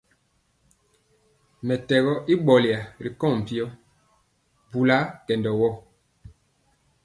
Mɛtɛgɔ i ɓɔlya ri kɔŋ mpyɔ, bula kendɔ won.